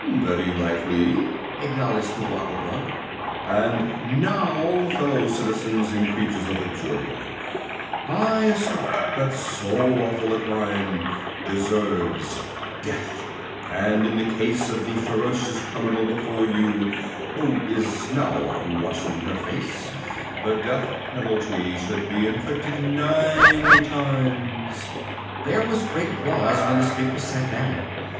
"Very likely," acknowledged the Woggle Bug. "And now, Fellow Citizens and Creatures of the Jury, I assert that so awful a crime deserves death, and in the case of the ferocious criminal before you who is now washing her face the death penalty should be inflicted nine times." There was great applause when the speaker sat down.